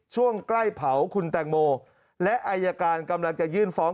ช่วงใกล้เผาคุณแตงโมและอายการกำลังจะยื่นฟ้อง